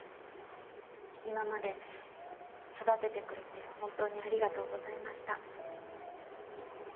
今まで育ててくれて本当にありがとうございました。